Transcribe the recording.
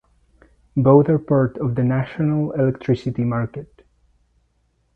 Both are part of the National Electricity Market.